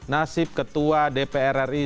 nasib ketua dpr ri